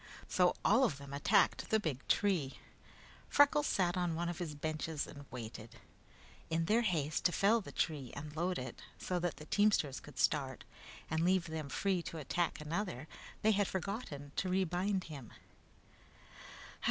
So all of them attacked the big tree. Freckles sat on one of his benches and waited. In their haste to fell the tree and load it, so that the teamsters could start, and leave them free to attack another, they had forgotten to rebind him.